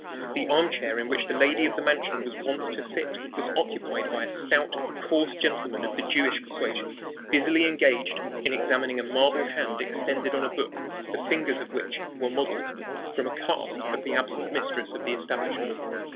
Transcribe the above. The arm chair in which the lady of the mansion was wont to sit was occupied by a stout, coarse gentleman of the Jewish persuasion, busily engaged in examining a marble hand extended on a book, the fingers of which were modeled from a cast of those of the absent mistress of the establishment.